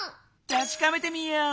たしかめてみよう！